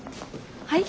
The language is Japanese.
はい？